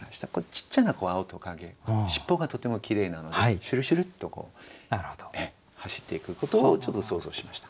ちっちゃな青蜥蜴尻尾がとてもきれいなのでしゅるしゅるっとこう走っていくことをちょっと想像しました。